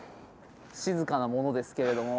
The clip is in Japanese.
静かなものですけれども。